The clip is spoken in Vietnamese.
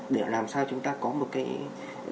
để làm sao chúng ta có một cái